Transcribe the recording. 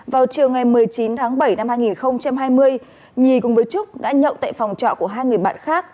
vào chiều ngày một mươi chín tháng bảy năm hai nghìn hai mươi nhì cùng với trúc đã nhậu tại phòng trọ của hai người bạn khác